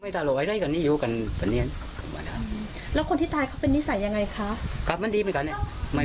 เพื่อไม่ยกนานเป็นผู้เสพกับอะไรหรือไหม